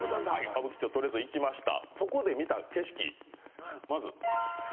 歌舞伎町とりあえず行きました